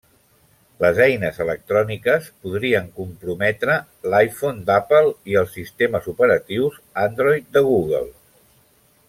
Les eines electròniques podrien comprometre l'iPhone d'Apple i els sistemes operatius Android de Google.